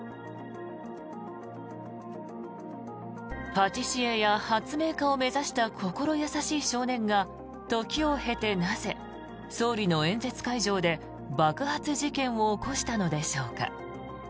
パティシエや発明家を目指した心優しい少年が時を経てなぜ、総理の演説会場で爆発事件を起こしたのでしょうか。